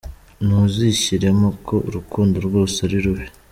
Ntuzishyiremo ko urukundo rwose ari rubi.